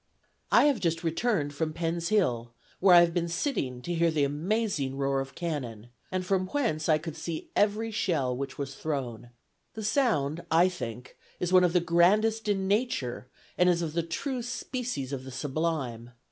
"I have just returned from Penn's Hill, where I have been sitting to hear the amazing roar of cannon, and from whence I could see every shell which was thrown. The sound, I think, is one of the grandest in nature, and is of the true species of the sublime.